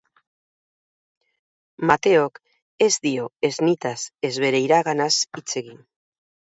Mateok ez dio ez nitaz ez bere iraganaz hitz egin.